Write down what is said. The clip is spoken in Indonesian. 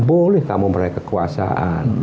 boleh kamu meraih kekuasaan